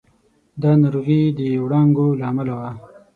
دا ناروغي د وړانګو له امله وه.